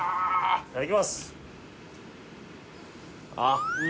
いただきます！